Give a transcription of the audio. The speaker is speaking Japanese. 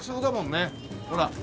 ほら。